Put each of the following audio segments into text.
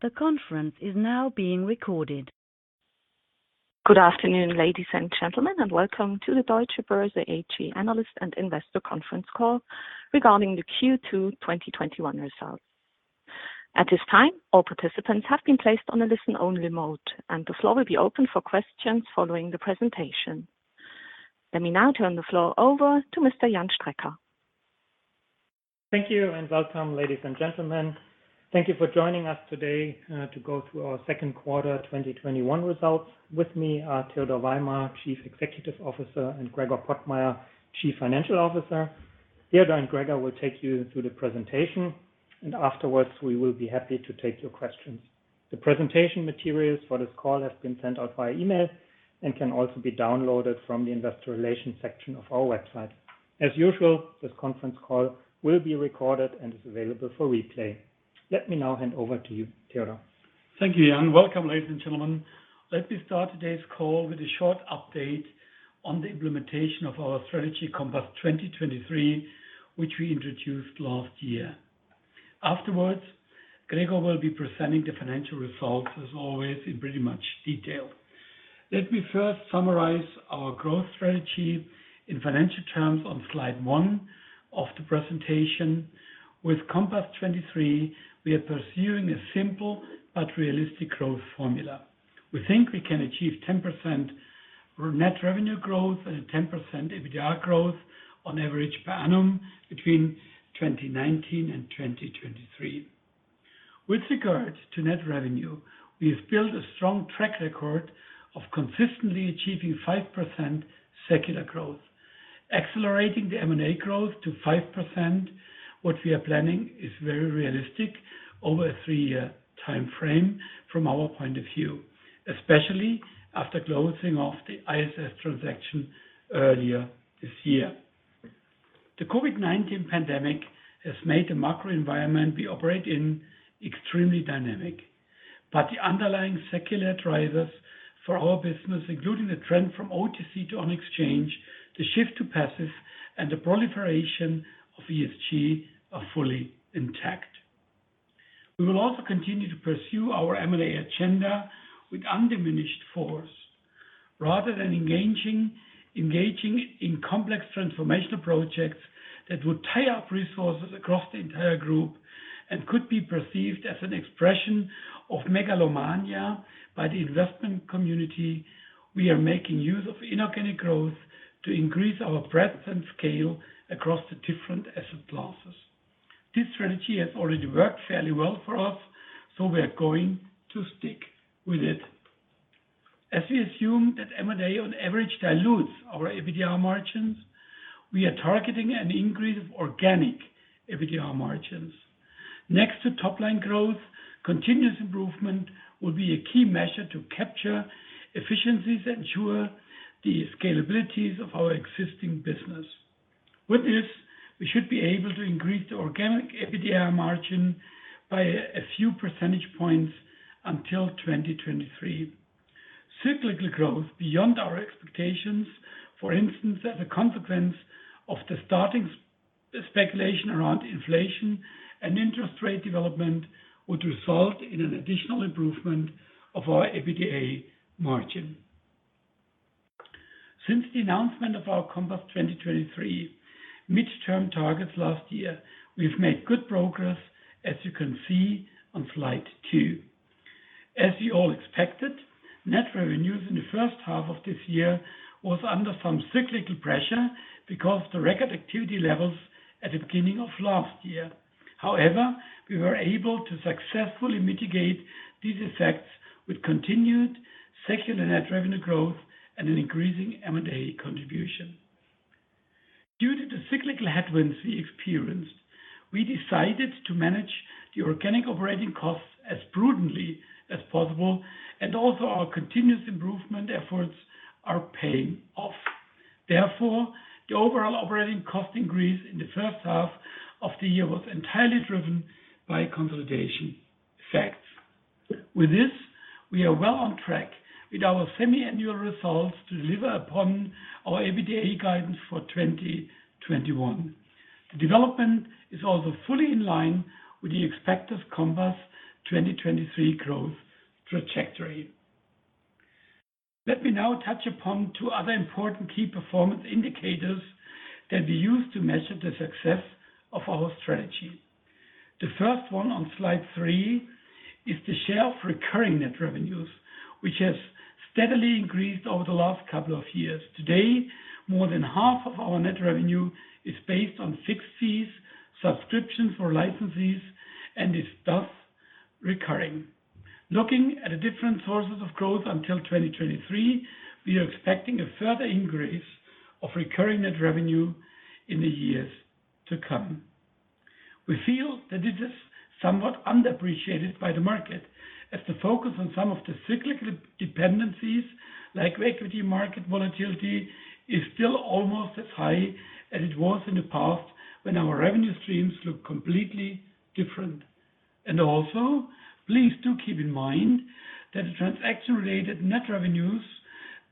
Good afternoon, ladies and gentlemen, and welcome to the Deutsche Börse AG analyst and investor conference call regarding the Q2 2021 results. At this time, all participants have been placed on a listen-only mode, and the floor will be open for questions following the presentation. Let me now turn the floor over to Mr. Jan Strecker. Thank you, and welcome, ladies and gentlemen. Thank you for joining us today to go through our second quarter 2021 results. With me are Theodor Weimer, Chief Executive Officer, and Gregor Pottmeyer, Chief Financial Officer. Theodor and Gregor will take you through the presentation, and afterwards, we will be happy to take your questions. The presentation materials for this call have been sent out via email and can also be downloaded from the investor relations section of our website. As usual, this conference call will be recorded and is available for replay. Let me now hand over to you, Theodor. Thank you, Jan. Welcome, ladies and gentlemen. Let me start today's call with a short update on the implementation of our strategy, Compass 2023, which we introduced last year. Afterwards, Gregor will be presenting the financial results, as always, in pretty much detail. Let me first summarize our growth strategy in financial terms on slide 1 of the presentation. With Compass 2023, we are pursuing a simple but realistic growth formula. We think we can achieve 10% net revenue growth and a 10% EBITDA growth on average per annum between 2019 and 2023. With regard to net revenue, we have built a strong track record of consistently achieving 5% secular growth. Accelerating the M&A growth to 5%, what we are planning is very realistic over a three-year timeframe from our point of view, especially after closing off the ISS transaction earlier this year. The COVID-19 pandemic has made the macro environment we operate in extremely dynamic. The underlying secular drivers for our business, including the trend from OTC to on exchange, the shift to passive, and the proliferation of ESG, are fully intact. We will also continue to pursue our M&A agenda with undiminished force. Rather than engaging in complex transformational projects that would tie up resources across the entire group and could be perceived as an expression of megalomania by the investment community, we are making use of inorganic growth to increase our breadth and scale across the different asset classes. This strategy has already worked fairly well for us, we are going to stick with it. As we assume that M&A, on average, dilutes our EBITDA margins, we are targeting an increase of organic EBITDA margins. Next to top-line growth, continuous improvement will be a key measure to capture efficiencies, ensure the scalabilities of our existing business. With this, we should be able to increase the organic EBITDA margin by a few percentage points until 2023. Cyclical growth beyond our expectations, for instance, as a consequence of the starting speculation around inflation and interest rate development, would result in an additional improvement of our EBITDA margin. Since the announcement of our Compass 2023 midterm targets last year, we've made good progress, as you can see on slide two. As you all expected, net revenues in the first half of this year was under some cyclical pressure because of the record activity levels at the beginning of last year. However, we were able to successfully mitigate these effects with continued secular net revenue growth and an increasing M&A contribution. Due to the cyclical headwinds we experienced, we decided to manage the organic operating costs as prudently as possible, and also our continuous improvement efforts are paying off. The overall operating cost increase in the first half of the year was entirely driven by consolidation effects. With this, we are well on track with our semi-annual results to deliver upon our EBITDA guidance for 2021. The development is also fully in line with the expected Compass 2023 growth trajectory. Let me now touch upon two other important key performance indicators that we use to measure the success of our strategy. The first one on slide three is the share of recurring net revenues, which has steadily increased over the last couple of years. Today, more than half of our net revenue is based on fixed fees, subscriptions, or licenses, and is thus recurring. Looking at the different sources of growth until 2023, we are expecting a further increase of recurring net revenue in the years to come. We feel that this is somewhat underappreciated by the market, as the focus on some of the cyclical dependencies, like equity market volatility, is still almost as high as it was in the past when our revenue streams looked completely different. Also, please do keep in mind that the transaction-related net revenues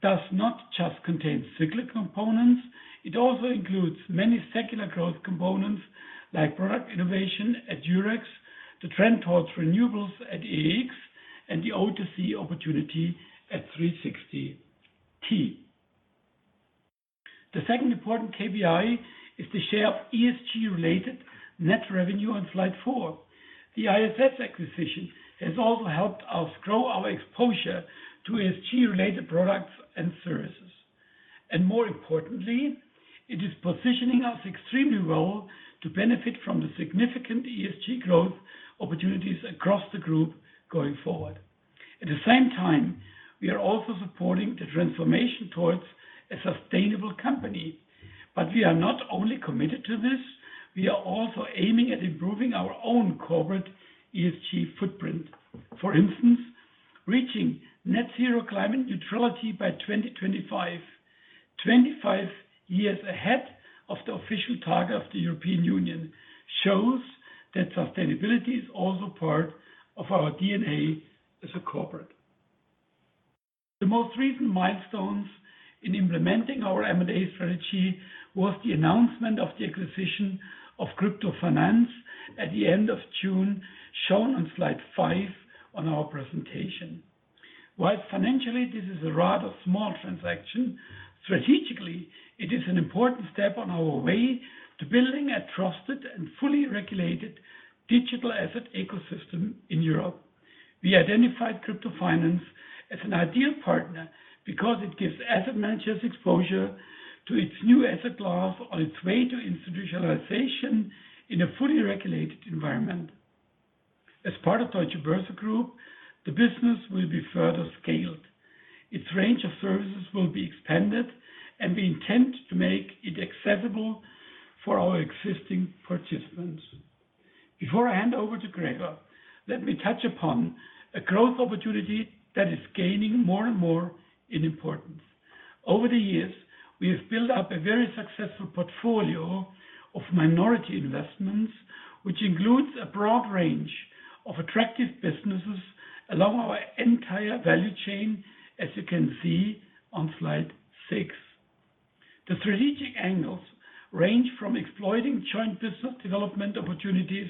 do not just contain cyclic components. It also includes many secular growth components like product innovation at Eurex, the trend towards renewables at EEX, and the OTC opportunity at 360T. The second important KPI is the share of ESG-related net revenue on slide four. The ISS acquisition has also helped us grow our exposure to ESG-related products and services. More importantly, it is positioning us extremely well to benefit from the significant ESG growth opportunities across the group going forward. At the same time, we are also supporting the transformation towards a sustainable company. We are not only committed to this, we are also aiming at improving our own corporate ESG footprint. For instance, reaching net zero climate neutrality by 2025, 25 years ahead of the official target of the European Union, shows that sustainability is also part of our DNA as a corporate. The most recent milestones in implementing our M&A strategy was the announcement of the acquisition of Crypto Finance at the end of June, shown on slide five on our presentation. While financially this is a rather small transaction, strategically it is an important step on our way to building a trusted and fully regulated digital asset ecosystem in Europe. We identified Crypto Finance as an ideal partner because it gives asset managers exposure to its new asset class on its way to institutionalization in a fully regulated environment. As part of Deutsche Börse Group, the business will be further scaled. Its range of services will be expanded, and we intend to make it accessible for our existing participants. Before I hand over to Gregor, let me touch upon a growth opportunity that is gaining more and more in importance. Over the years, we have built up a very successful portfolio of minority investments, which includes a broad range of attractive businesses along our entire value chain, as you can see on slide six. The strategic angles range from exploiting joint business development opportunities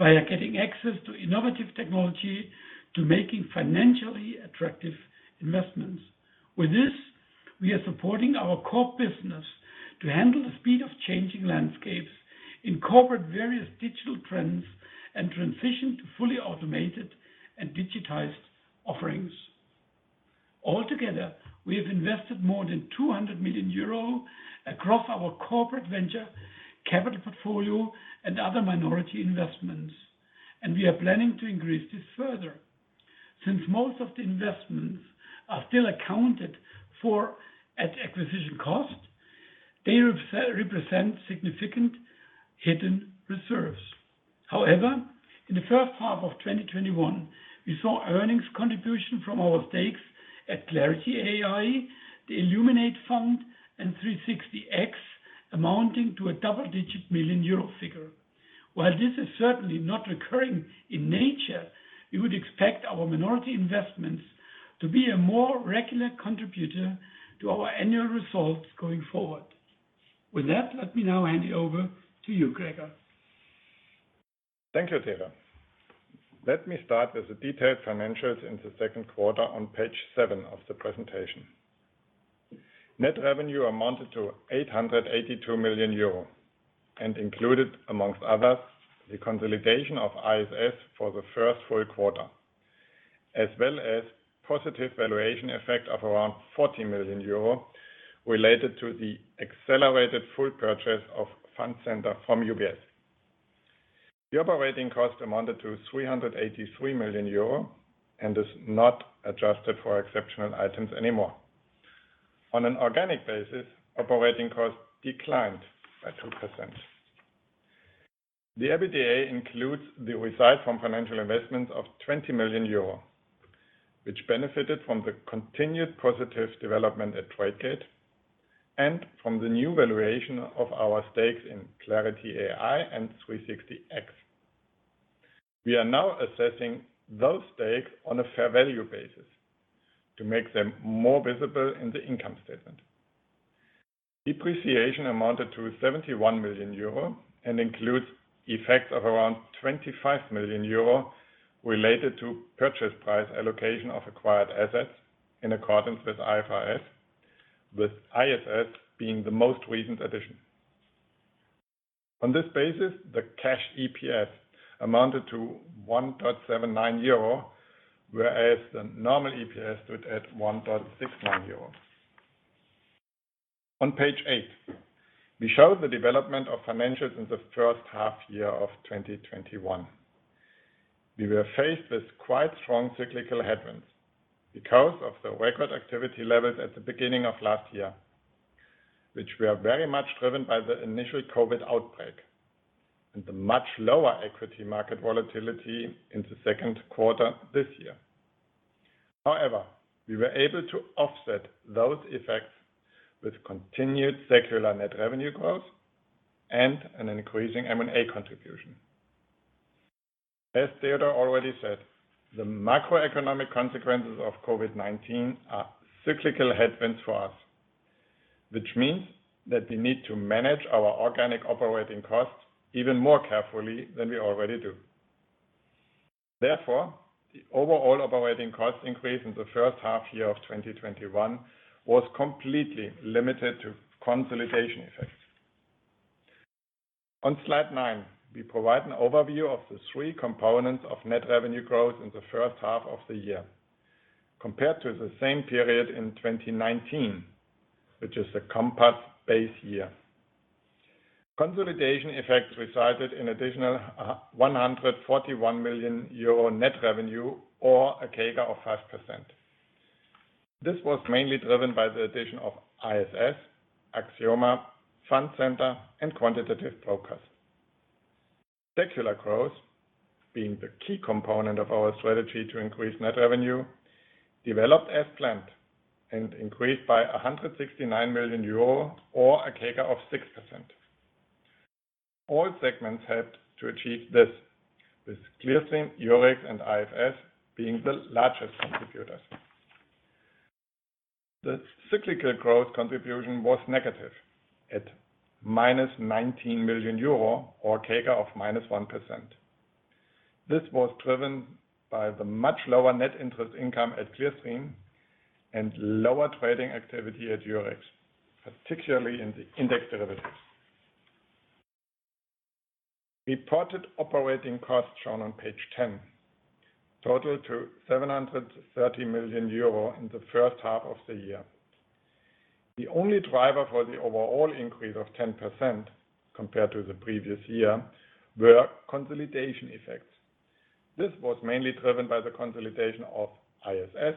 via getting access to innovative technology, to making financially attractive investments. With this, we are supporting our core business to handle the speed of changing landscapes, incorporate various digital trends, and transition to fully automated and digitized offerings. Altogether, we have invested more than 200 million euro across our corporate venture capital portfolio and other minority investments, and we are planning to increase this further. Since most of the investments are still accounted for at acquisition cost, they represent significant hidden reserves. However, in the first half of 2021, we saw earnings contribution from our stakes at Clarity AI, the Illuminate Fund, and 360X amounting to a double-digit million EUR figure. While this is certainly not recurring in nature, we would expect our minority investments to be a more regular contributor to our annual results going forward. With that, let me now hand it over to you, Gregor. Thank you, Theodor. Let me start with the detailed financials in the second quarter on page seven of the presentation. Net revenue amounted to 882 million euro and included, among others, the consolidation of ISS for the first full quarter, as well as positive valuation effect of around 40 million euro related to the accelerated full purchase of Fund Centre from UBS. The operating cost amounted to 383 million euro and is not adjusted for exceptional items anymore. On an organic basis, operating costs declined by 2%. The EBITDA includes the results from financial investments of 20 million euro, which benefited from the continued positive development at Tradegate and from the new valuation of our stakes in Clarity AI and 360X. We are now assessing those stakes on a fair value basis to make them more visible in the income statement. Depreciation amounted to 71 million euro and includes effects of around 25 million euro related to purchase price allocation of acquired assets in accordance with IFRS, with ISS being the most recent addition. On this basis, the Cash EPS amounted to 1.79 euro, whereas the normal EPS stood at 1.69 euro. On page eight, we show the development of financials in the first half year of 2021. We were faced with quite strong cyclical headwinds because of the record activity levels at the beginning of last year, which were very much driven by the initial COVID-19 outbreak and the much lower equity market volatility in the second quarter this year. However, we were able to offset those effects with continued secular net revenue growth and an increasing M&A contribution. As Theodor already said, the macroeconomic consequences of COVID-19 are cyclical headwinds for us, which means that we need to manage our organic operating costs even more carefully than we already do. Therefore, the overall operating cost increase in the first half year of 2021 was completely limited to consolidation effects. On slide nine, we provide an overview of the three components of net revenue growth in the first half of the year compared to the same period in 2019, which is the compass base year. Consolidation effects resulted in additional 141 million euro net revenue, or a CAGR of 5%. This was mainly driven by the addition of ISS, Axioma, Clearstream Fund Centre, and Quantitative Brokers. Secular growth, being the key component of our strategy to increase net revenue, developed as planned and increased by 169 million euro or a CAGR of 6%. All segments helped to achieve this, with Clearstream, Eurex, and ISS being the largest contributors. The cyclical growth contribution was negative at minus 19 million euro or CAGR of -1%. This was driven by the much lower net interest income at Clearstream and lower trading activity at Eurex, particularly in the index derivatives. Reported operating costs shown on page 10 totaled to 730 million euro in the first half of the year. The only driver for the overall increase of 10% compared to the previous year were consolidation effects. This was mainly driven by the consolidation of ISS,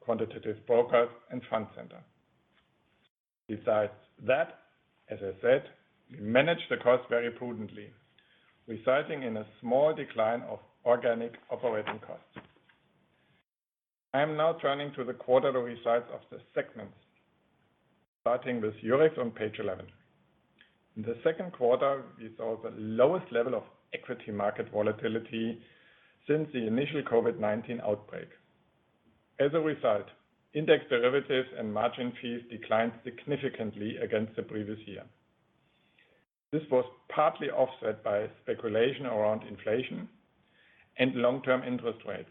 Quantitative Brokers, and Clearstream Fund Centre. Besides that, as I said, we managed the cost very prudently, resulting in a small decline of organic operating costs. I am now turning to the quarterly results of the segments, starting with Eurex on page 11. In the second quarter, we saw the lowest level of equity market volatility since the initial COVID-19 outbreak. As a result, index derivatives and margin fees declined significantly against the previous year. This was partly offset by speculation around inflation and long-term interest rates,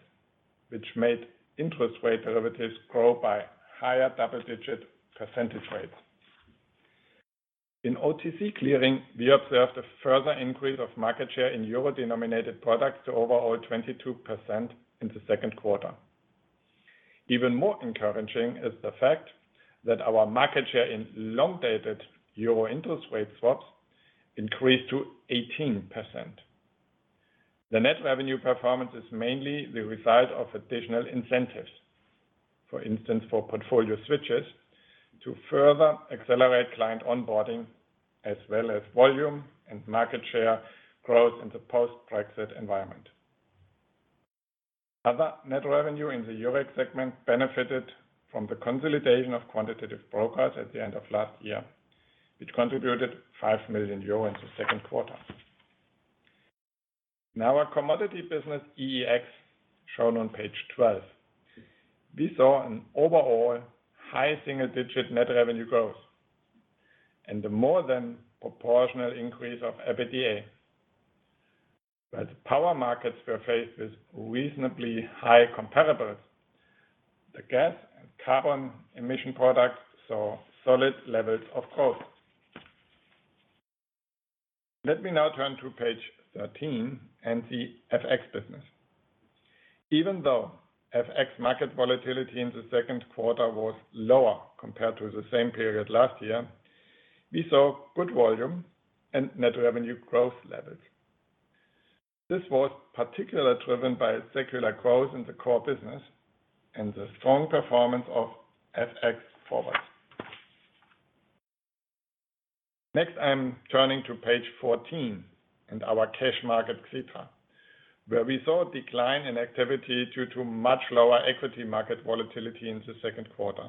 which made interest rate derivatives grow by higher double-digit percentage rates. In OTC clearing, we observed a further increase of market share in euro-denominated products to overall 22% in the second quarter. Even more encouraging is the fact that our market share in long-dated euro interest rate swaps increased to 18%. The net revenue performance is mainly the result of additional incentives, for instance, for portfolio switches to further accelerate client onboarding, as well as volume and market share growth in the post-Brexit environment. Other net revenue in the Eurex segment benefited from the consolidation of Quantitative Brokers at the end of last year, which contributed 5 million euros in the second quarter. Now our commodity business, EEX, shown on page 12. We saw an overall high single-digit net revenue growth and the more than proportional increase of EBITDA. As power markets were faced with reasonably high comparables, the gas and carbon emission products saw solid levels of growth. Let me now turn to page 13 and the FX business. Even though FX market volatility in the second quarter was lower compared to the same period last year, we saw good volume and net revenue growth levels. This was particularly driven by secular growth in the core business and the strong performance of FX forward. I'm turning to page 14 and our cash market, Xetra, where we saw a decline in activity due to much lower equity market volatility in the second quarter.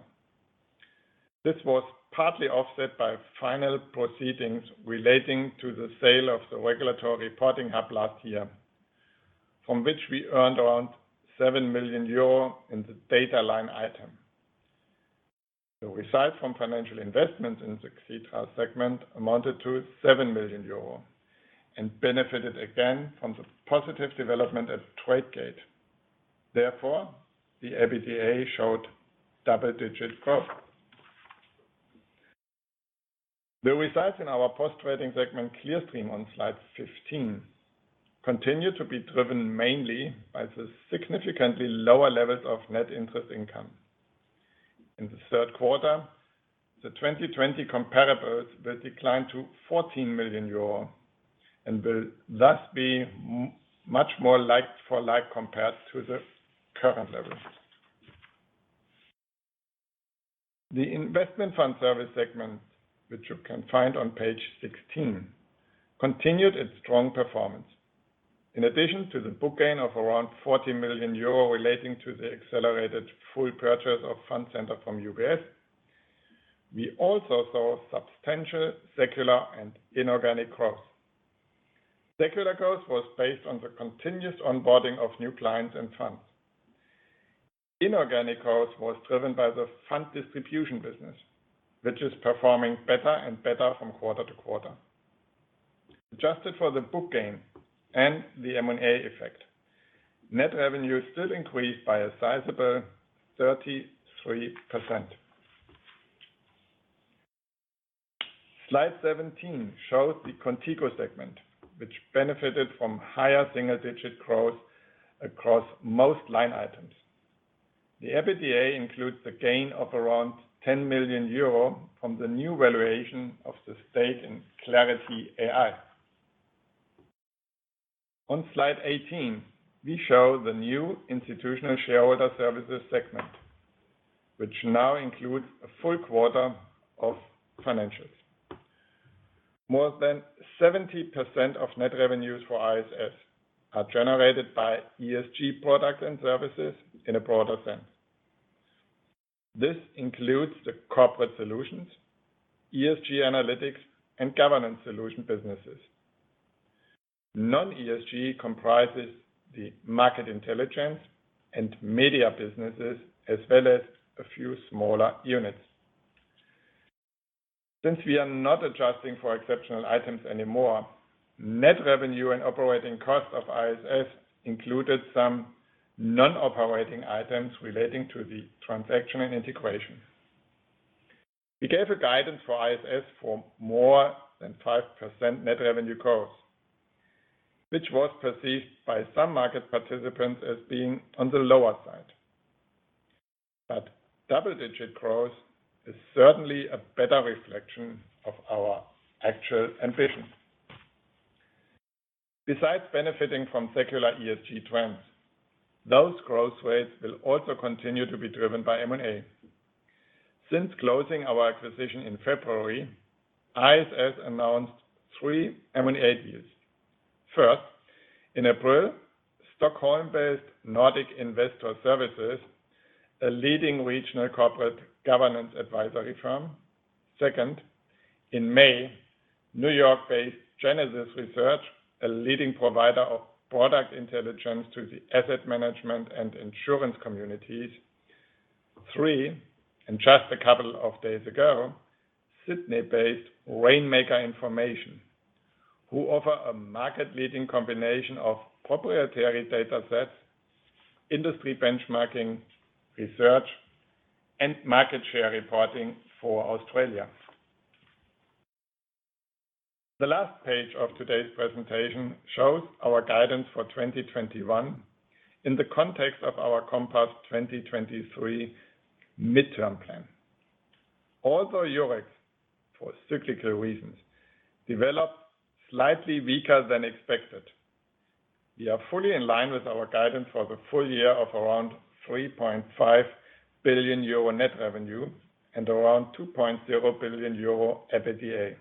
This was partly offset by final proceedings relating to the sale of the regulatory reporting hub last year, from which we earned around 7 million euro in the data line item. The result from financial investment in the Xetra segment amounted to 7 million euro and benefited again from the positive development at Tradegate. The EBITDA showed double-digit growth. The results in our post-trading segment, Clearstream, on slide 15, continue to be driven mainly by the significantly lower levels of net interest income. In the third quarter, the 2020 comparables will decline to 14 million euro and will thus be much more like-for-like compared to the current levels. The investment fund service segment, which you can find on page 16, continued its strong performance. In addition to the book gain of around 40 million euro relating to the accelerated full purchase of Fund Centre from UBS, we also saw substantial secular and inorganic growth. Secular growth was based on the continuous onboarding of new clients and funds. Inorganic growth was driven by the fund distribution business, which is performing better and better from quarter to quarter. Adjusted for the book gain and the M&A effect, net revenue still increased by a sizable 33%. Slide 17 shows the Qontigo segment, which benefited from higher single-digit growth across most line items. The EBITDA includes a gain of around 10 million euro from the new valuation of the stake in Clarity AI. On slide 18, we show the new Institutional Shareholder Services segment, which now includes a full quarter of financials. More than 70% of net revenues for ISS are generated by ESG products and services in a broader sense. This includes the corporate solutions, ESG analytics, and governance solution businesses. Non-ESG comprises the market intelligence and media businesses, as well as a few smaller units. Since we are not adjusting for exceptional items anymore, net revenue and operating costs of ISS included some non-operating items relating to the transaction and integration. We gave a guidance for ISS for more than 5% net revenue growth, which was perceived by some market participants as being on the lower side. Double-digit growth is certainly a better reflection of our actual ambition. Besides benefiting from secular ESG trends, those growth rates will also continue to be driven by M&A. Since closing our acquisition in February, ISS announced three M&A deals. First, in April, Stockholm-based Nordic Investor Services, a leading regional corporate governance advisory firm. Second, in May, New York-based Genesis Research, a leading provider of product intelligence to the asset management and insurance communities. Three, just a couple of days ago, Sydney-based Rainmaker Information, who offer a market-leading combination of proprietary data sets, industry benchmarking research, and market share reporting for Australia. The last page of today's presentation shows our guidance for 2021 in the context of our Compass 2023 midterm plan. Although Eurex, for cyclical reasons, developed slightly weaker than expected, we are fully in line with our guidance for the full year of around 3.5 billion euro net revenue and around 2.0 billion euro EBITDA.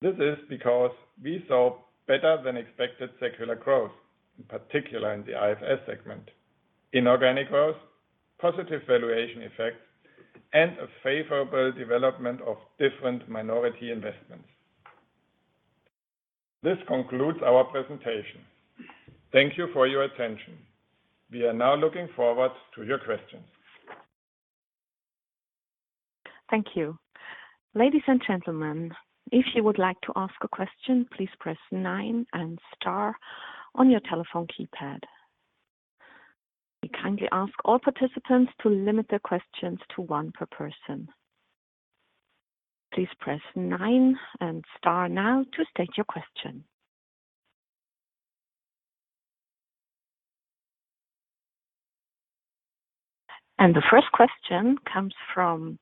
This is because we saw better-than-expected secular growth, in particular in the ISS segment, inorganic growth, positive valuation effects, and a favorable development of different minority investments. This concludes our presentation. Thank you for your attention. We are now looking forward to your questions. Thank you. Ladies and gentlemen, if you would like to ask a question, please press nine and star on your telephone keypad. We kindly ask all participants to limit their questions to one per person. Please press nine and star now to state your question. The first question comes from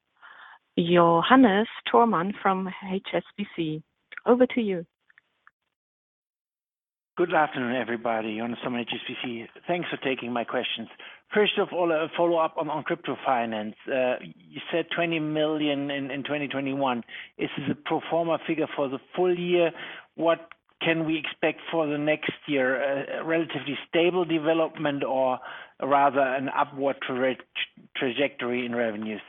Johannes Thormann from HSBC. Over to you. Good afternoon, everybody. Johannes from HSBC. Thanks for taking my questions. First of all, a follow-up on Crypto Finance. You said 20 million in 2021. Is this a pro forma figure for the full year? What can we expect for the next year? A relatively stable development or rather an upward trajectory in revenues?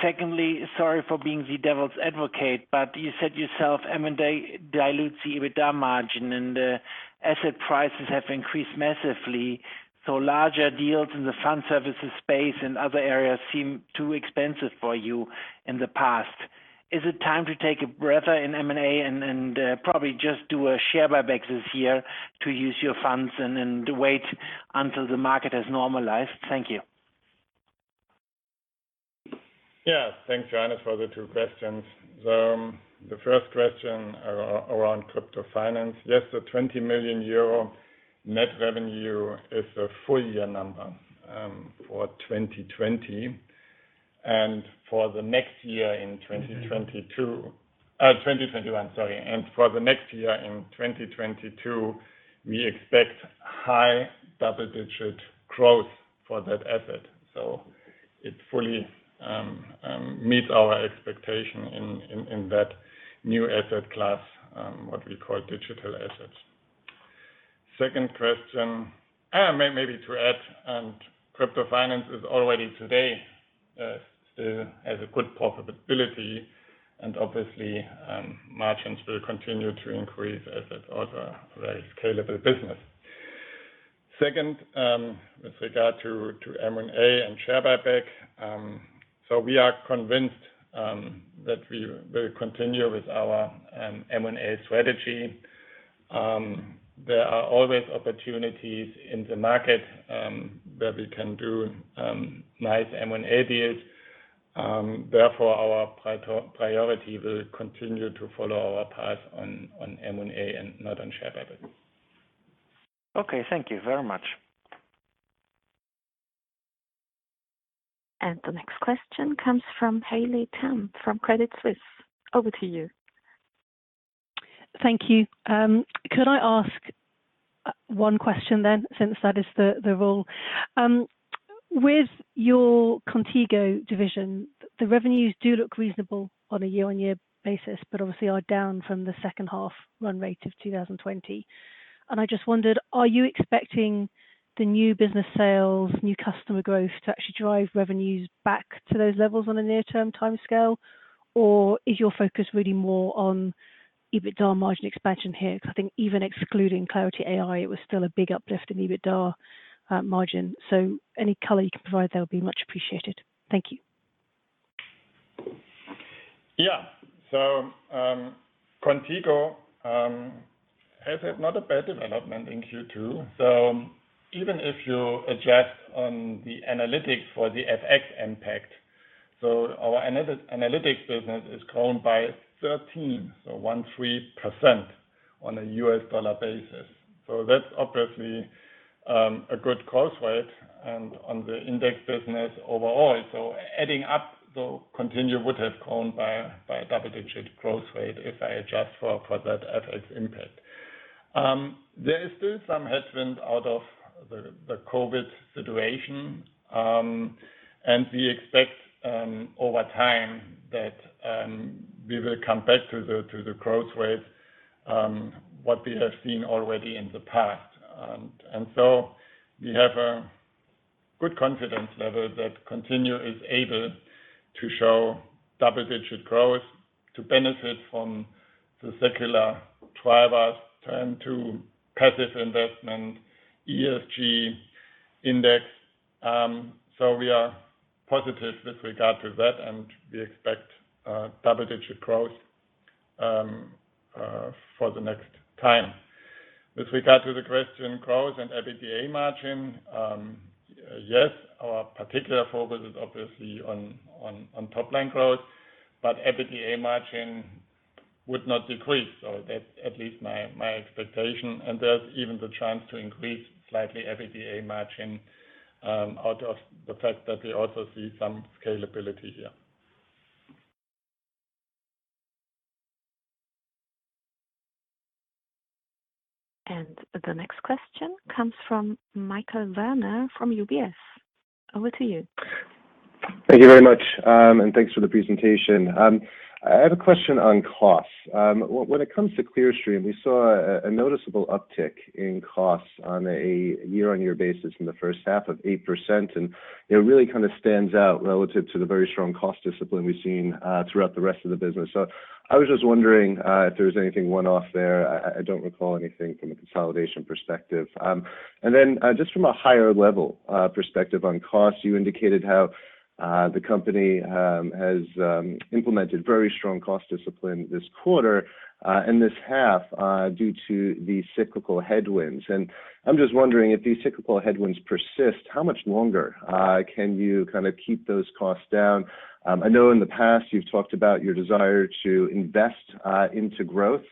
Secondly, sorry for being the devil's advocate, but you said yourself M&A dilutes the EBITDA margin, and asset prices have increased massively. Larger deals in the fund services space and other areas seemed too expensive for you in the past. Is it time to take a breather in M&A and probably just do a share buyback this year to use your funds and then wait until the market has normalized? Thank you. Thanks, Johannes Thormann, for the two questions. The first question around Crypto Finance. Yes, the 20 million euro net revenue is a full-year number for 2020. For the next year in 2021. For the next year in 2022, we expect high double-digit growth for that asset. It fully meets our expectation in that new asset class, what we call digital assets. Second question. Maybe to add, Crypto Finance is already today has a good profitability, and obviously margins will continue to increase as it's also a very scalable business. Second, with regard to M&A and share buyback. We are convinced that we will continue with our M&A strategy. There are always opportunities in the market where we can do nice M&A deals. Our priority will continue to follow our path on M&A and not on share buyback. Okay. Thank you very much. The next question comes from Haley Tam from Credit Suisse. Over to you. Thank you. Could I ask one question then, since that is the rule? With your Qontigo division, the revenues do look reasonable on a year-on-year basis, but obviously are down from the second half run rate of 2020. I just wondered, are you expecting the new business sales, new customer growth to actually drive revenues back to those levels on a near-term timescale? Or is your focus really more on EBITDA margin expansion here? Because I think even excluding Clarity AI, it was still a big uplift in EBITDA margin. Any color you can provide there will be much appreciated. Thank you. Yeah. Qontigo has had not a bad development in Q2. Even if you adjust on the analytics for the FX impact, our analytics business is grown by 13% on a U.S. dollar basis. That's obviously a good growth rate. On the index business overall, adding up the Qontigo would have grown by a double-digit growth rate if I adjust for that FX impact. There is still some headwind out of the COVID situation. We expect, over time, that we will come back to the growth rate, what we have seen already in the past. We have a good confidence level that Qontigo is able to show double-digit growth to benefit from the secular drivers turn to passive investment, ESG index. We are positive with regard to that, and we expect double-digit growth for the next time. With regard to the question growth and EBITDA margin, yes, our particular focus is obviously on top-line growth, but EBITDA margin would not decrease. That's at least my expectation, and there's even the chance to increase slightly EBITDA margin out of the fact that we also see some scalability here. The next question comes from Michael Werner from UBS. Over to you. Thank you very much, and thanks for the presentation. I have a question on costs. When it comes to Clearstream, we saw a noticeable uptick in costs on a year-on-year basis in the first half of 8%, and it really stands out relative to the very strong cost discipline we've seen throughout the rest of the business. I was just wondering if there was anything one-off there. I don't recall anything from a consolidation perspective. Just from a higher level perspective on costs, you indicated how the company has implemented very strong cost discipline this quarter and this half due to the cyclical headwinds. I'm just wondering if these cyclical headwinds persist, how much longer can you keep those costs down? I know in the past you've talked about your desire to invest into growth.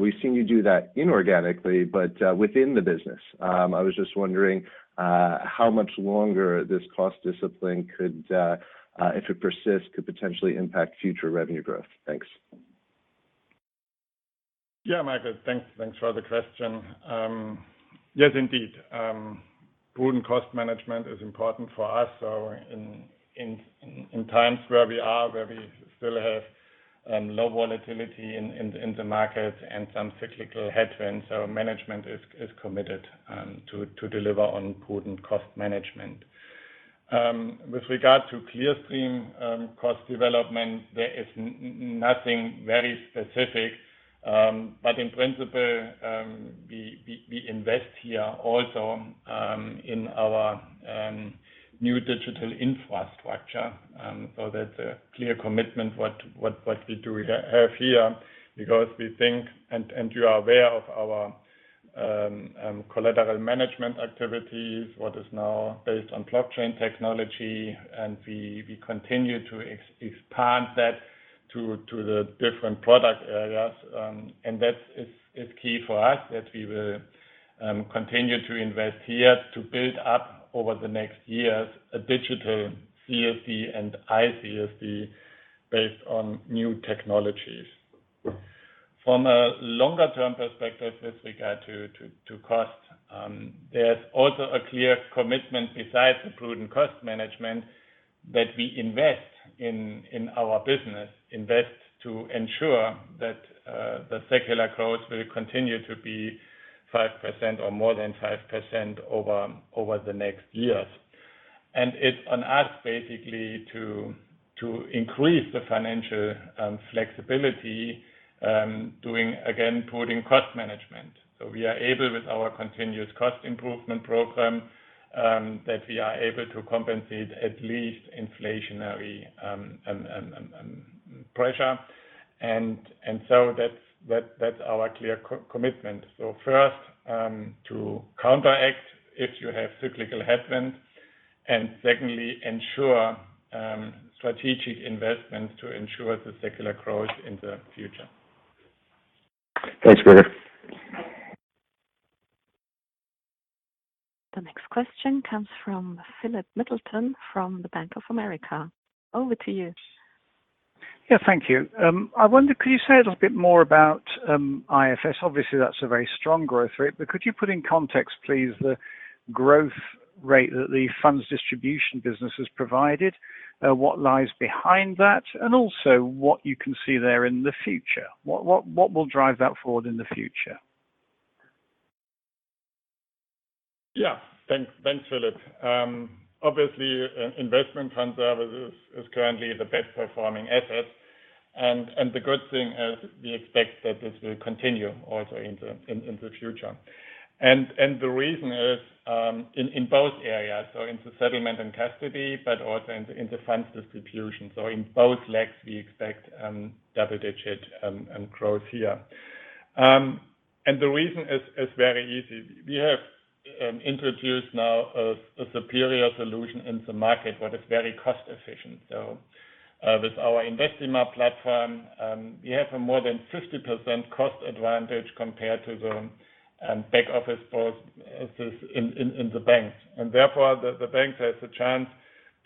We've seen you do that inorganically, but within the business. I was just wondering how much longer this cost discipline could, if it persists, could potentially impact future revenue growth. Thanks. Yeah, Michael. Thanks for the question. Yes, indeed. Prudent cost management is important for us. In times where we are, where we still have low volatility in the market and some cyclical headwinds. Management is committed to deliver on prudent cost management. With regard to Clearstream cost development, there is nothing very specific. In principle, we invest here also in our new digital infrastructure. That's a clear commitment what we do have here, because we think, and you are aware of our collateral management activities, what is now based on blockchain technology, and we continue to expand that to the different product areas. That is key for us, that we will continue to invest here to build up over the next years a digital CSD and ICSD based on new technologies. From a longer-term perspective with regard to costs. There's also a clear commitment besides the prudent cost management that we invest in our business, invest to ensure that the secular growth will continue to be 5% or more than 5% over the next years. It's an ask basically to increase the financial flexibility, doing again, prudent cost management. We are able, with our continuous cost improvement program, that we are able to compensate at least inflationary pressure. That's our clear commitment. First, to counteract if you have cyclical headwinds, and secondly, ensure strategic investments to ensure the secular growth in the future. Thanks, Gregor. The next question comes from Philip Middleton from the Bank of America. Over to you. Yeah, thank you. I wonder, could you say a little bit more about IFS? Obviously, that's a very strong growth rate, but could you put in context, please, the growth rate that the funds distribution business has provided? What lies behind that, and also what you can see there in the future? What will drive that forward in the future? Thanks, Philip. Obviously, investment funds service is currently the best performing asset, the good thing is we expect that this will continue also in the future. The reason is in both areas, so in the settlement and custody, but also in the funds distribution. In both legs, we expect double-digit growth here. The reason is very easy. We have introduced now a superior solution in the market that is very cost-efficient. With our Vestima platform, we have a more than 50% cost advantage compared to the back office forces in the banks. Therefore, the banks has a chance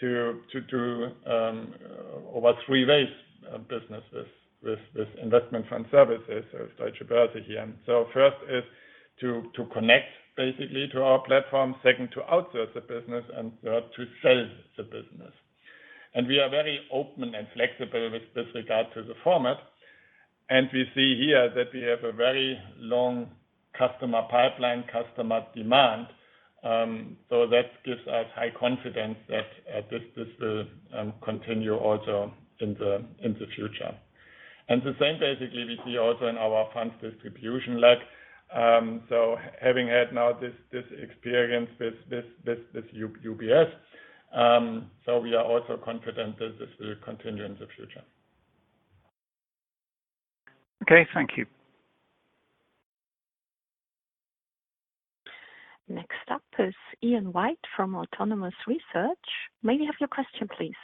to do over three ways of business with Investment Fund Services of Deutsche Börse here. First is to connect basically to our platform. Second, to outsource the business, and third, to sell the business. We are very open and flexible with regard to the format, and we see here that we have a very long customer pipeline, customer demand. That gives us high confidence that this will continue also in the future. The same basically we see also in our funds distribution leg. Having had now this experience with UBS, so we are also confident that this will continue in the future. Okay, thank you. Next up is Ian White from Autonomous Research. May we have your question, please?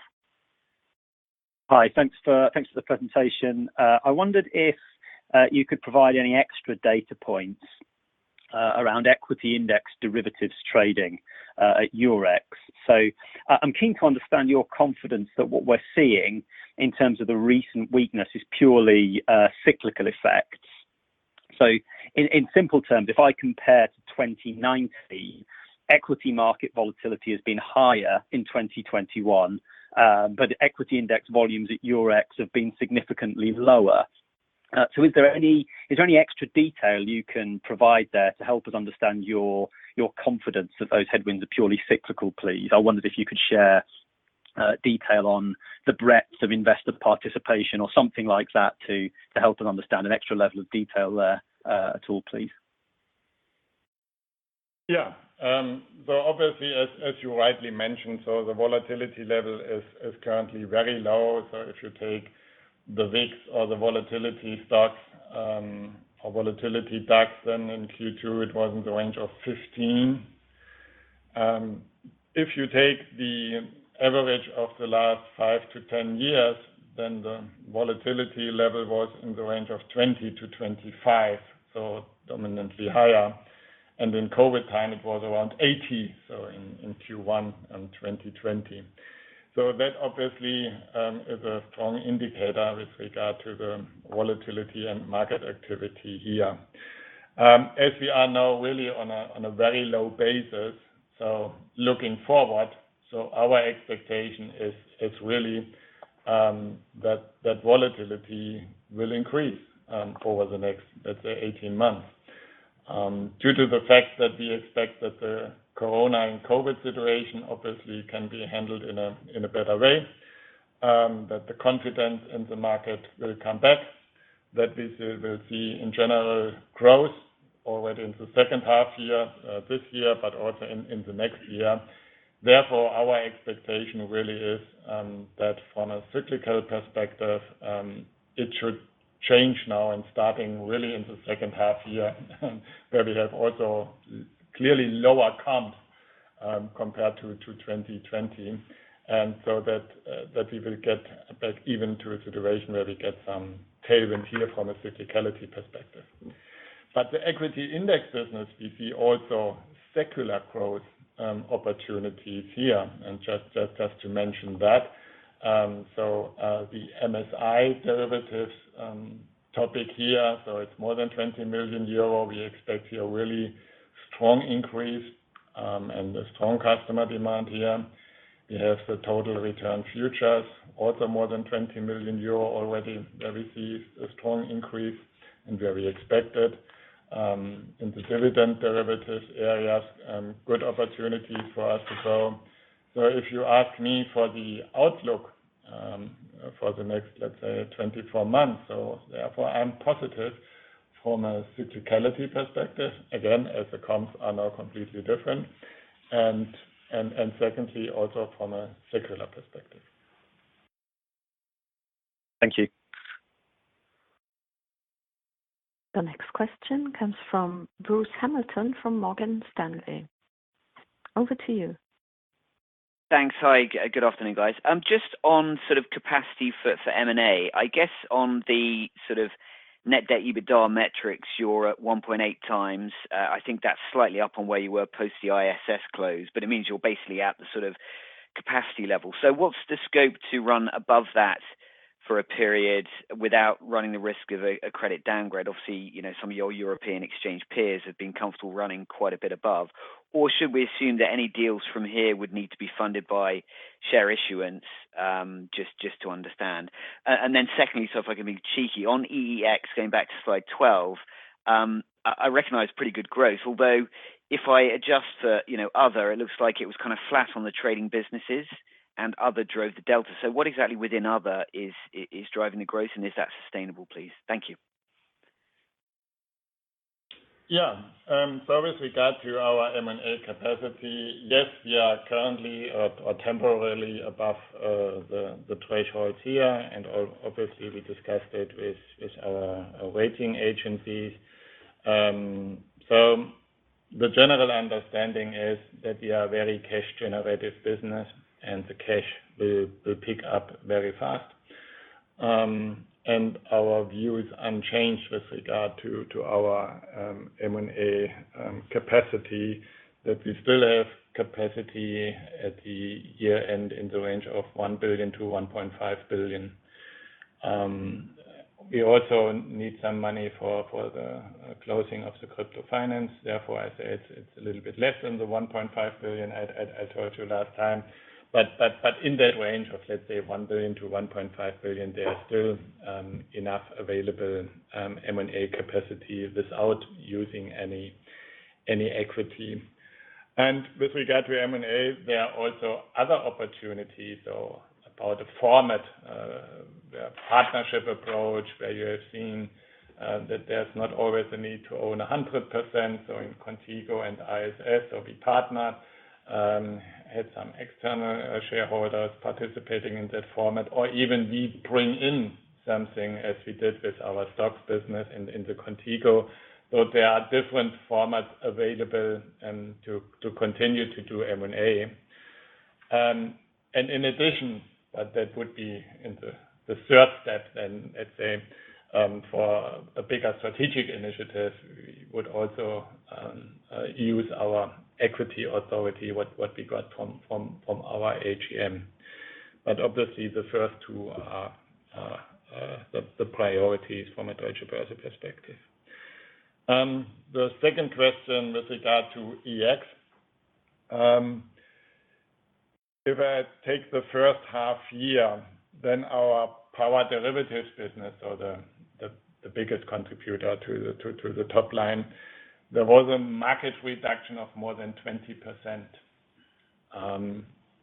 Hi. Thanks for the presentation. I wondered if you could provide any extra data points around equity index derivatives trading at Eurex. I'm keen to understand your confidence that what we're seeing in terms of the recent weakness is purely cyclical effects. In simple terms, if I compare to 2019, equity market volatility has been higher in 2021. Equity index volumes at Eurex have been significantly lower. Is there any extra detail you can provide there to help us understand your confidence that those headwinds are purely cyclical, please? I wondered if you could share detail on the breadth of investor participation or something like that to help us understand an extra level of detail there at all, please. Obviously, as you rightly mentioned, the volatility level is currently very low. If you take the VIX or the VSTOXX, or VDAX, in Q2, it was in the range of 15. If you take the average of the last five to 10 years, the volatility level was in the range of 20 to 25, dominantly higher. In COVID time, it was around 80, in Q1 in 2020. That obviously is a strong indicator with regard to the volatility and market activity here. As we are now really on a very low basis, so looking forward, so our expectation is really that volatility will increase over the next, let's say 18 months, due to the fact that we expect that the COVID-19 situation obviously can be handled in a better way, that the confidence in the market will come back, that we will see, in general, growth already in the second half this year, but also in the next year. Therefore, our expectation really is that from a cyclical perspective, it should change now and starting really in the second half year where we have also clearly lower comps compared to 2020. That we will get back even to a situation where we get some tailwind here from a cyclicality perspective. The equity index business, we see also secular growth opportunities here. Just to mention that the MSCI derivatives topic here, it's more than 20 million euro. We expect here really strong increase and a strong customer demand here. We have the Total Return Futures, also more than 20 million euro already received a strong increase and very expected. In the Dividend derivatives areas, good opportunities for us to grow. If you ask me for the outlook for the next, let's say, 24 months, therefore I'm positive from a cyclicality perspective. Again, as the comps are now completely different. Secondly, also from a secular perspective. Thank you. The next question comes from Bruce Hamilton from Morgan Stanley. Over to you. Thanks. Hi, good afternoon, guys. Just on capacity for M&A, I guess on the net debt EBITDA metrics, you're at 1.8x. I think that's slightly up on where you were post the ISS close. It means you're basically at the capacity level. What's the scope to run above that for a period without running the risk of a credit downgrade? Obviously, some of your European exchange peers have been comfortable running quite a bit above. Should we assume that any deals from here would need to be funded by share issuance? Just to understand. Secondly, if I can be cheeky, on EEX, going back to slide 12, I recognize pretty good growth, although if I adjust for other, it looks like it was kind of flat on the trading businesses and other drove the delta. What exactly within other is driving the growth, and is that sustainable, please? Thank you. With regard to our M&A capacity, yes, we are currently or temporarily above the thresholds here, and obviously we discussed it with our rating agencies. The general understanding is that we are very cash-generative business, and the cash will pick up very fast. Our view is unchanged with regard to our M&A capacity, that we still have capacity at the year-end in the range of 1 billion-1.5 billion. We also need some money for the closing of the Crypto Finance. Therefore, I say it's a little bit less than the 1.5 billion I told you last time. In that range of, let's say, 1 billion-1.5 billion, there are still enough available M&A capacity without using any equity. With regard to M&A, there are also other opportunities or about the format, partnership approach, where you have seen that there's not always a need to own 100%. In Qontigo and ISS, we partner, had some external shareholders participating in that format, or even we bring in something as we did with our STOXX business in the Qontigo. There are different formats available and to continue to do M&A. In addition, that would be in the third step then, let's say, for a bigger strategic initiative, we would also use our equity authority, what we got from our AGM. Obviously the first two are the priorities from a Deutsche Börse perspective. The second question with regard to EEX. If I take the first half year, then our power derivatives business or the biggest contributor to the top line, there was a market reduction of more than 20%.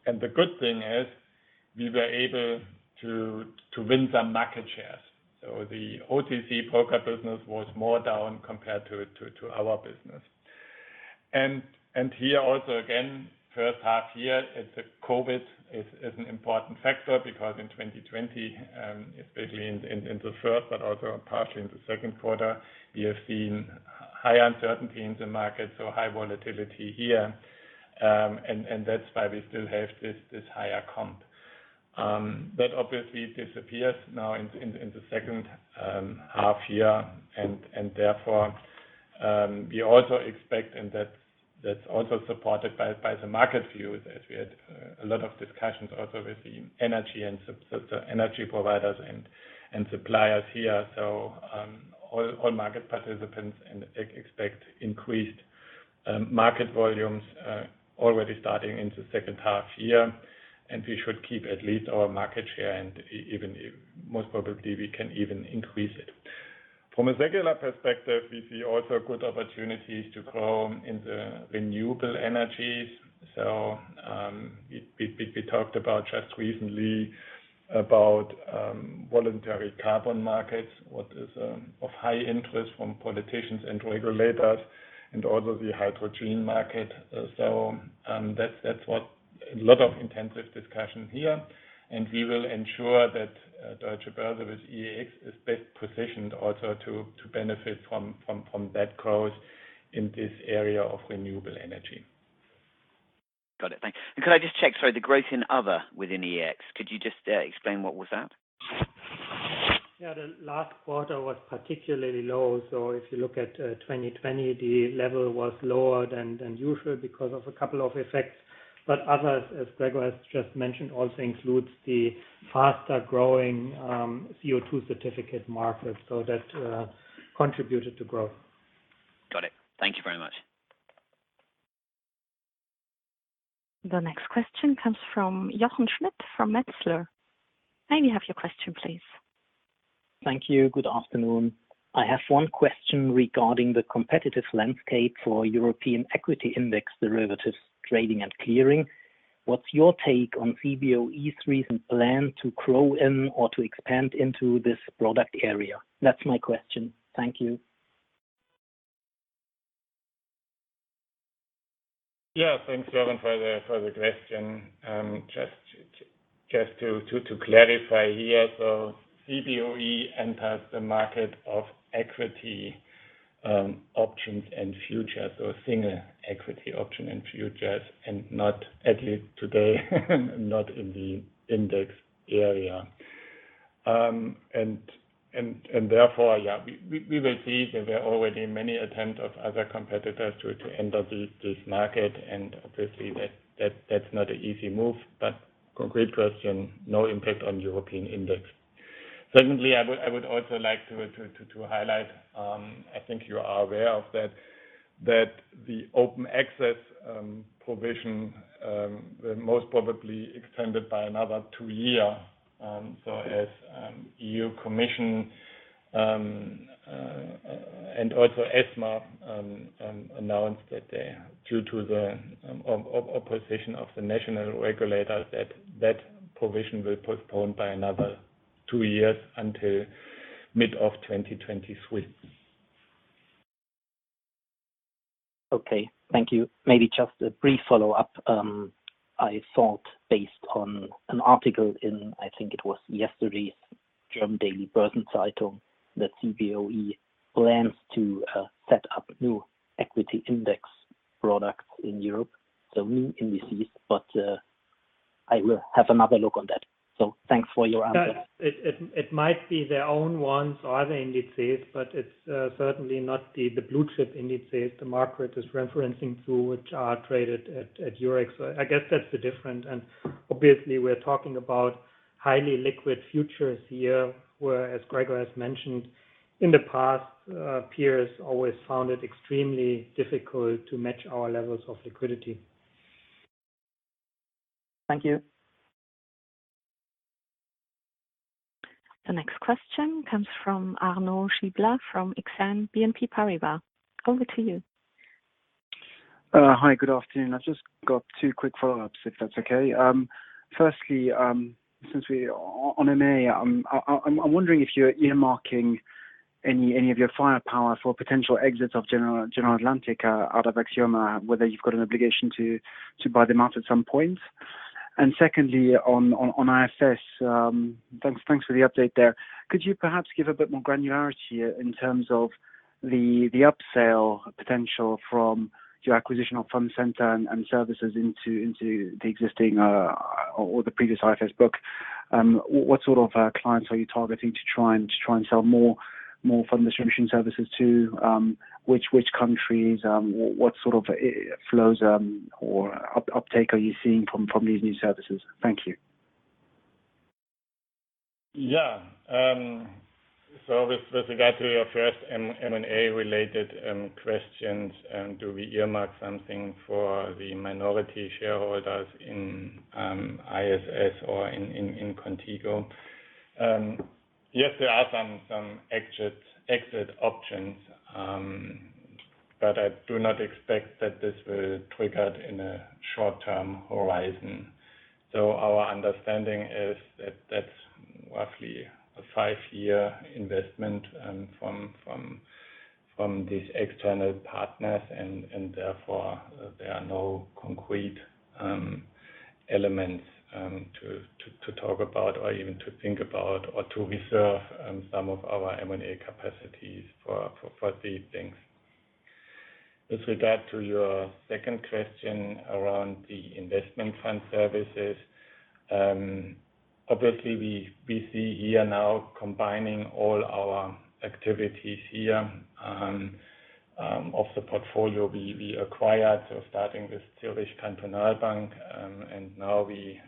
The good thing is we were able to win some market shares. The OTC broker business was more down compared to our business. Here also, again, first half year, the COVID is an important factor because in 2020, especially in the first but also partially in the second quarter, we have seen high uncertainty in the market, so high volatility here, and that's why we still have this higher comp. That obviously disappears now in the second half year, and therefore we also expect, and that's also supported by the market view, that we had a lot of discussions also with the energy providers and suppliers here. All market participants expect increased market volumes already starting in the second half year, and we should keep at least our market share, and even most probably we can even increase it. From a secular perspective, we see also good opportunities to grow in the renewable energies. We talked about just recently about voluntary carbon markets, what is of high interest from politicians and regulators, and also the hydrogen market. That's what a lot of intensive discussion here, and we will ensure that Deutsche Börse with EEX is best positioned also to benefit from that growth in this area of renewable energy. Got it. Thanks. Could I just check, sorry, the growth in other within EEX, could you just explain what was that? Yeah, the last quarter was particularly low. If you look at 2020, the level was lower than usual because of a couple of effects. Others, as Gregor has just mentioned, also includes the faster-growing CO2 certificate market. That contributed to growth. Got it. Thank you very much. The next question comes from Jochen Schmitt from Metzler. You may have your question, please. Thank you. Good afternoon. I have one question regarding the competitive landscape for European equity index derivatives trading and clearing. What's your take on Cboe's recent plan to grow in or to expand into this product area? That's my question. Thank you. Yeah. Thanks, Jochen, for the question. Just to clarify here, Cboe enters the market of equity options and futures or single equity option and futures, and not at least today, not in the index area. Therefore, yeah, we will see that there are already many attempts of other competitors to enter this market, and obviously that's not an easy move, but concrete question, no impact on European index. Secondly, I would also like to highlight, I think you are aware of that the open access provision will most probably extended by another two year. As European Commission, and also ESMA, announced that due to the opposition of the national regulators, that that provision will postponed by another two years until mid of 2023. Okay. Thank you. Maybe just a brief follow-up. I thought based on an article in, I think it was yesterday's German Daily Börsen-Zeitung, that Cboe plans to set up new equity index products in Europe, so new indices. I will have another look on that. Thanks for your answer. Yeah. It might be their own ones or other indices, but it's certainly not the blue-chip indices the market is referencing to, which are traded at Eurex. I guess that's the difference, and obviously we're talking about highly liquid futures here, where, as Gregor has mentioned, in the past, peers always found it extremely difficult to match our levels of liquidity. Thank you. The next question comes from Arnaud Giblat from Exane BNP Paribas. Over to you. Hi. Good afternoon. I've just got two quick follow-ups, if that's okay. Firstly, since we're on M&A, I'm wondering if you're earmarking any of your firepower for potential exits of General Atlantic out of Axioma, whether you've got an obligation to buy them out at some point. Secondly, on ISS, thanks for the update there. Could you perhaps give a bit more granularity in terms of the upsell potential from your acquisitional Clearstream Fund Centre and services into the existing or the previous ISS book? What sort of clients are you targeting to try and sell more fund distribution services to, which countries, what sort of flows or uptake are you seeing from these new services? Thank you. With regard to your first M&A-related questions, do we earmark something for the minority shareholders in ISS or in Qontigo? Yes, there are some exit options. I do not expect that this will trigger in a short-term horizon. Our understanding is that that's roughly a five-year investment from these external partners, therefore there are no concrete elements to talk about or even to think about or to reserve some of our M&A capacities for these things. With regard to your second question around the Investment Fund Services, obviously we see here now combining all our activities here of the portfolio we acquired. Starting with Zürcher Kantonalbank, now we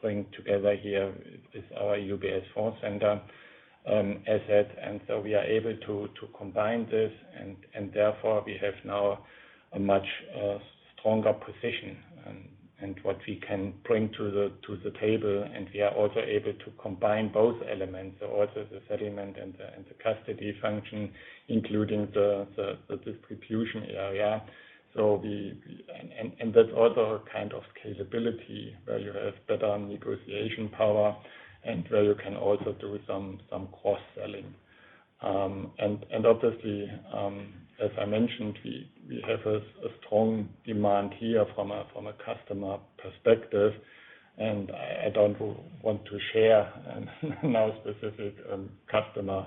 bring together here with our Clearstream Fund Centre. We are able to combine this, and therefore we have now a much stronger position and what we can bring to the table, and we are also able to combine both elements, so also the settlement and the custody function, including the distribution area. That other kind of capability where you have better negotiation power and where you can also do some cross-selling. Obviously, as I mentioned, we have a strong demand here from a customer perspective, and I don't want to share now specific customer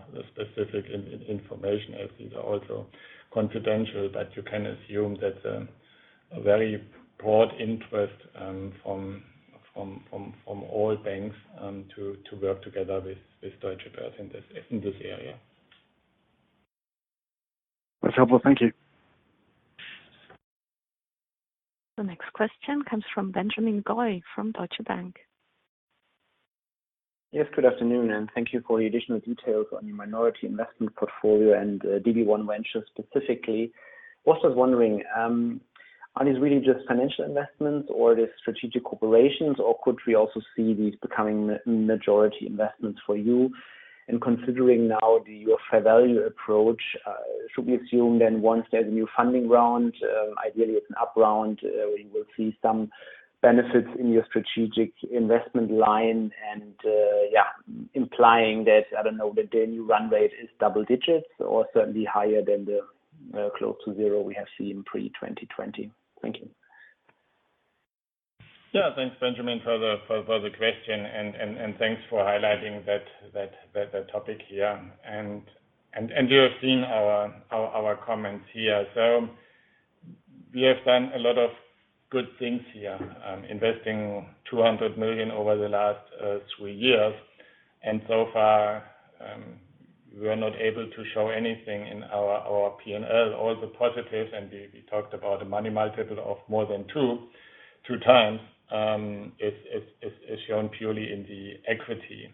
information as these are also confidential. You can assume that a very broad interest from all banks to work together with Deutsche Börse in this area. That's helpful. Thank you. The next question comes from Benjamin Goy from Deutsche Bank. Yes, good afternoon, and thank you for the additional details on your minority investment portfolio and DB1 Ventures specifically. Was just wondering, are these really just financial investments or are they strategic operations, or could we also see these becoming majority investments for you? Considering now your fair value approach, should we assume then once there's a new funding round, ideally it's an up round, we will see some benefits in your strategic investment line and, yeah, implying that, I don't know, that the new run rate is double digits or certainly higher than the close to zero we have seen pre-2020. Thank you. Yeah. Thanks, Benjamin, for the question. Thanks for highlighting that topic here. You have seen our comments here. We have done a lot of good things here, investing 200 million over the last three years, and so far, we are not able to show anything in our P&L. All the positives, and we talked about the money multiple of more than 2x, is shown purely in the equity.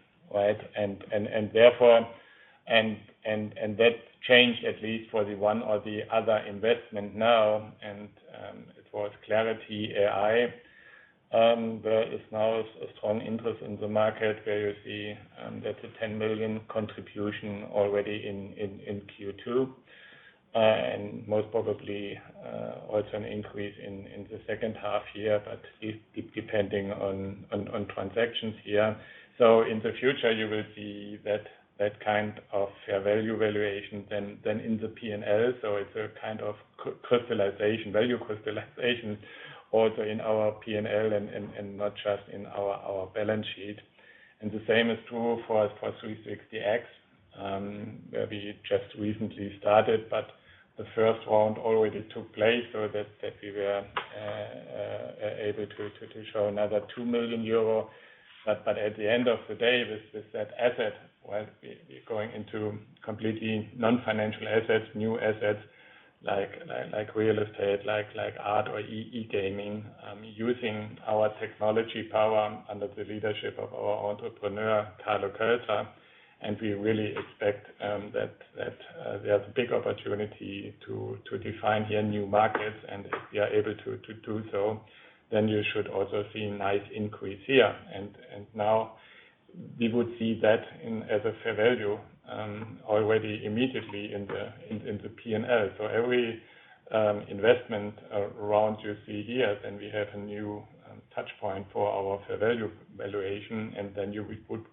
That changed at least for the one or the other investment now, and it was Clarity AI. There is now a strong interest in the market where you see that a 10 million contribution already in Q2. Most probably also an increase in the second half year, but depending on transactions here. In the future, you will see that kind of fair value valuation than in the P&L. It's a kind of value crystallization also in our P&L and not just in our balance sheet. The same is true for 360X, where we just recently started, but the first round already took place so that we were able to show another 2 million euro. At the end of the day, with that asset, we're going into completely non-financial assets, new assets like real estate, like art or e-gaming, using our technology power under the leadership of our entrepreneur, Carlo Kölzer. We really expect that we have a big opportunity to define here new markets. If we are able to do so, you should also see a nice increase here. Now we would see that as a fair value already immediately in the P&L. Every investment round you see here, then we have a new touch point for our fair value valuation, and then you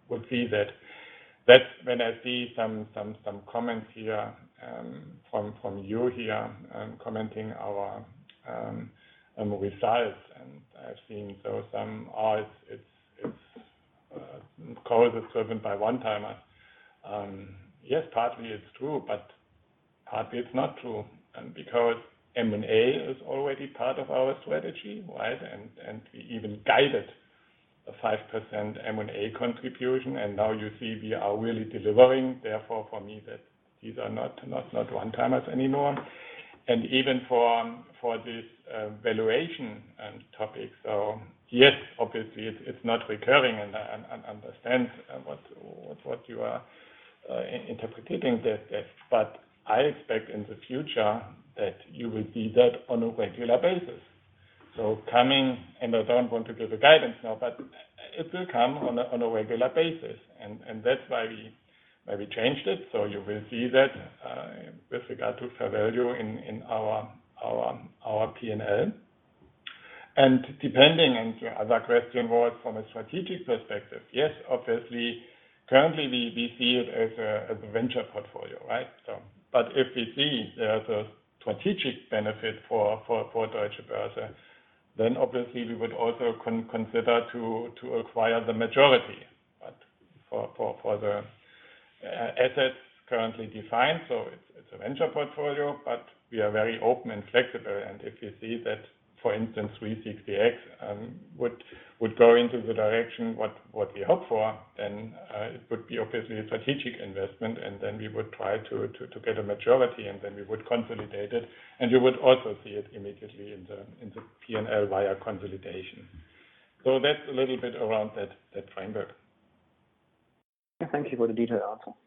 would see that. That's when I see some comments here from you here commenting our results. I've seen some, "Oh, Kölzer is driven by one-timers." Yes, partly it's true, but partly it's not true. M&A is already part of our strategy, and we even guided a 5% M&A contribution, and now you see we are really delivering. Therefore, for me, these are not one-timers anymore. Even for this valuation topic. Yes, obviously, it's not recurring, and I understand what you are interpreting there. I expect in the future that you will see that on a regular basis. Coming, and I don't want to give a guidance now, but it will come on a regular basis. That's why we changed it. You will see that with regard to fair value in our P&L. Depending on your other question, was from a strategic perspective, yes, obviously, currently we see it as a venture portfolio. If we see there's a strategic benefit for Deutsche Börse, then obviously we would also consider to acquire the majority. For the assets currently defined, it's a venture portfolio, but we are very open and flexible. If you see that, for instance, 360X would go into the direction what we hope for, then it would be obviously a strategic investment, and then we would try to get a majority, and then we would consolidate it, and you would also see it immediately in the P&L via consolidation. That's a little bit around that framework. Thank you for the detailed answer.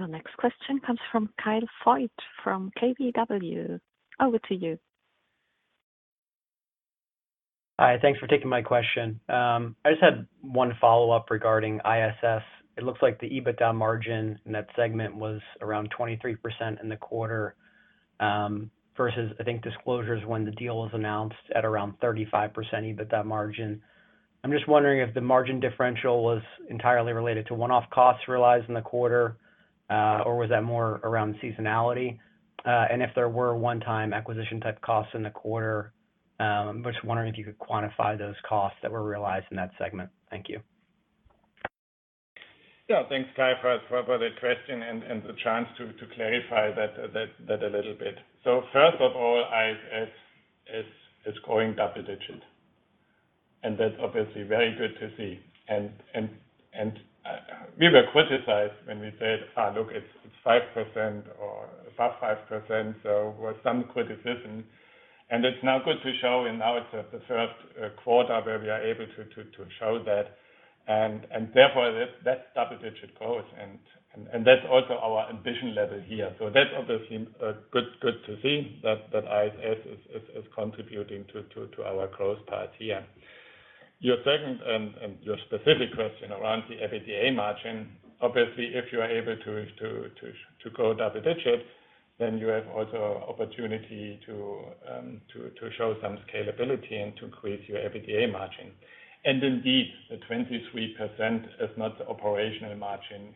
The next question comes from Kyle Voigt from KBW. Over to you. Hi. Thanks for taking my question. I just had one follow-up regarding ISS. It looks like the EBITDA margin in that segment was around 23% in the quarter, versus I think disclosures when the deal was announced at around 35% EBITDA margin. I'm just wondering if the margin differential was entirely related to one-off costs realized in the quarter, or was that more around seasonality? If there were one-time acquisition-type costs in the quarter, I'm just wondering if you could quantify those costs that were realized in that segment. Thank you. Yeah. Thanks, Kyle, for the question and the chance to clarify that a little bit. So first of all, ISS is going double digits, and that's obviously very good to see. We were criticized when we said, "Look, it's 5% or above 5%," so with some criticism. It's now good to show, and now it's the first quarter where we are able to show that, and therefore that's double-digit growth, and that's also our ambition level here. So that's obviously good to see that ISS is contributing to our growth path here. Your second and your specific question around the EBITDA margin. Obviously, if you are able to grow double digits, then you have also opportunity to show some scalability and to increase your EBITDA margin. Indeed, the 23% is not the operational margin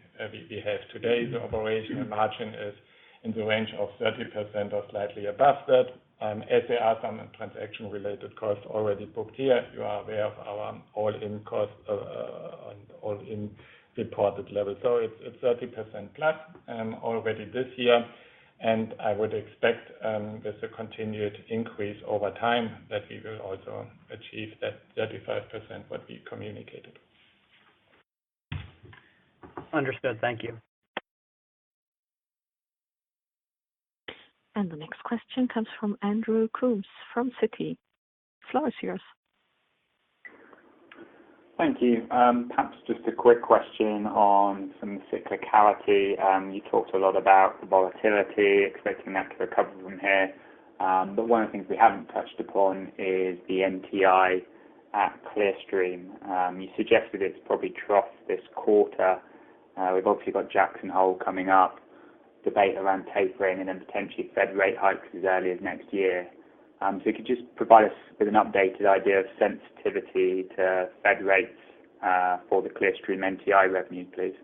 we have today. The operational margin is in the range of 30% or slightly above that, as there are some transaction-related costs already booked here. You are aware of our all-in cost on all-in reported level. It's 30%+ already this year. I would expect with the continued increase over time that we will also achieve that 35% what we communicated. Understood. Thank you. The next question comes from Andrew Coombs from Citi. The floor is yours. Thank you. Perhaps just a quick question on some cyclicality. You talked a lot about the volatility, expecting that to recover from here. One of the things we haven't touched upon is the NII at Clearstream. You suggested it's probably troughed this quarter. We've obviously got Jackson Hole coming up, debate around tapering, and then potentially Fed rate hikes as early as next year. If you could just provide us with an updated idea of sensitivity to Fed rates for the Clearstream NII revenue, please.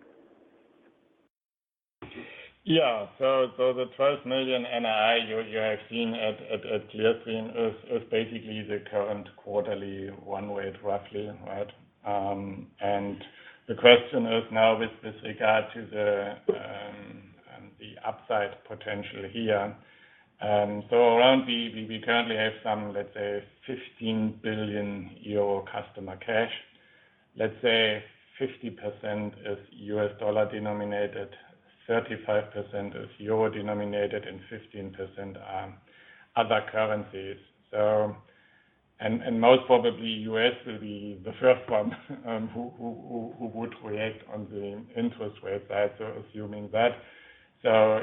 Yeah. The 12 million NII you have seen at Clearstream is basically the current quarterly run-rate roughly, right? The question is now with this regard to the upside potential here. Around the-- we currently have some, let's say, 15 billion euro customer cash. Let's say 50% is U.S. dollar-denominated, 35% is euro-denominated, and 15% are other currencies. Most probably, U.S. will be the first one who would react on the interest rate side, assuming that.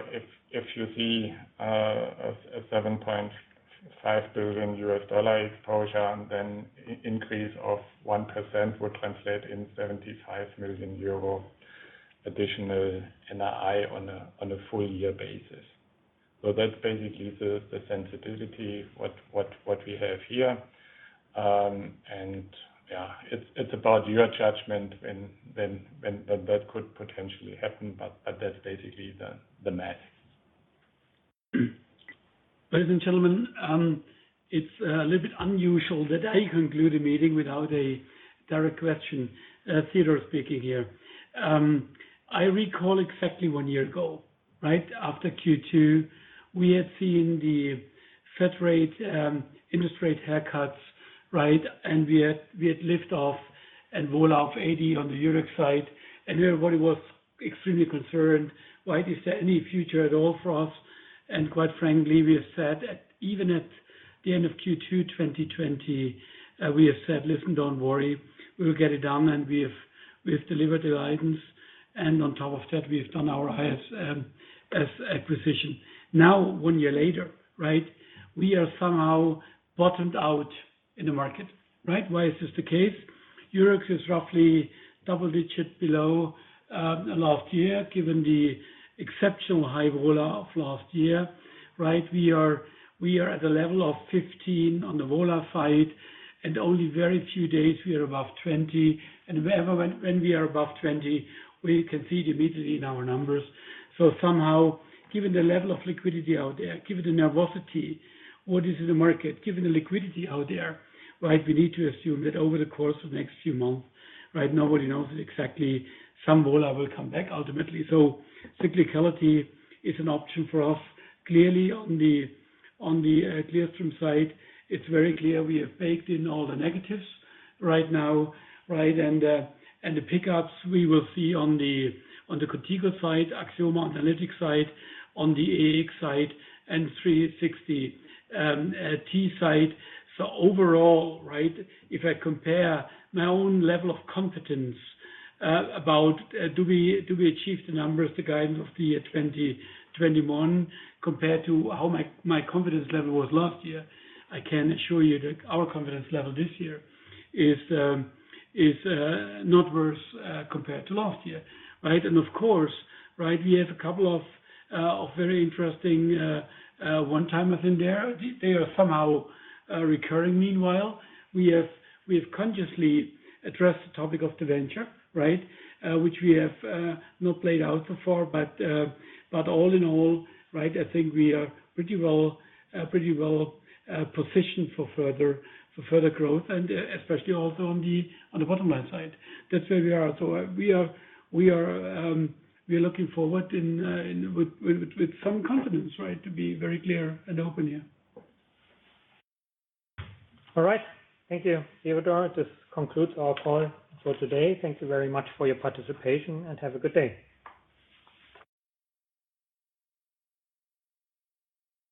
If you see a $7.5 billion exposure, then increase of 1% would translate in 75 million euro additional NII on a full-year basis. That's basically the sensitivity, what we have here. Yeah, it's about your judgment when that could potentially happen. That's basically the math. Ladies and gentlemen, it's a little bit unusual that I conclude a meeting without a direct question. Theodor speaking here. I recall exactly one year ago. Right after Q2, we had seen the Fed rate, interest rate haircuts. We had lift off and vola of 80 on the Eurex side. Everybody was extremely concerned. Why is there any future at all for us? Quite frankly, we have said, even at the end of Q2 2020, we have said, "Listen, don't worry." We will get it done. We have delivered the guidance. On top of that, we have done our highest acquisition. Now, one year later, we are somehow bottomed out in the market. Why is this the case? Eurex is roughly double-digit below last year, given the exceptional high vola of last year. We are at the level of 15 on the vola side, only very few days we are above 20. Whenever when we are above 20, we can see it immediately in our numbers. Somehow, given the level of liquidity out there, given the nervosity, what is in the market, given the liquidity out there, we need to assume that over the course of the next few months, nobody knows exactly some vola will come back ultimately. Clearly on the Clearstream side, it's very clear we have baked in all the negatives right now. The pickups we will see on the Qontigo side, Axioma, Analytics side, on the EEX side, and 360T side. Overall, if I compare my own level of confidence about do we achieve the numbers, the guidance of the year 2021 compared to how my confidence level was last year, I can assure you that our confidence level this year is not worse compared to last year. Of course, we have a couple of very interesting one-timers in there. They are somehow recurring meanwhile. We have consciously addressed the topic of the Venture, which we have not played out so far. All in all, I think we are pretty well-positioned for further growth and especially also on the bottom line side. That's where we are. We are looking forward with some confidence, to be very clear and open here. All right. Thank you, Theodor. This concludes our call for today. Thank you very much for your participation, and have a good day.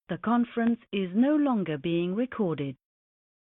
The conference is no longer being recorded.